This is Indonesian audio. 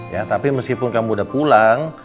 ya tapi meskipun kamu udah pulang